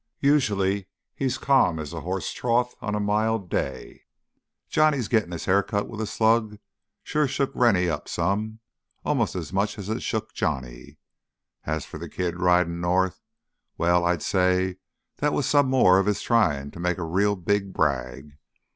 Usually he's calm as a hoss trough on a mild day. Johnny gittin' his hair cut with a slug sure shook Rennie up some, almost as much as it shook Johnny. As for th' kid ridin' north—well, I'd say that was some more of his tryin' to make a real big brag.